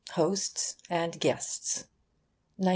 HOSTS AND GUESTS 1918.